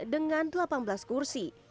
dengan delapan belas kursi